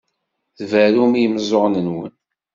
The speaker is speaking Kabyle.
Tberrum i yimeẓẓuɣen-nwen.